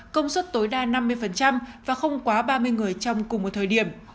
công suất tối đa năm mươi và không quá ba mươi người trong cùng một thời điểm